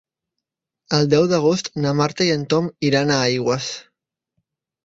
El deu d'agost na Marta i en Tom iran a Aigües.